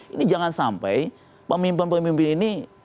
ini jangan sampai pemimpin pemimpin ini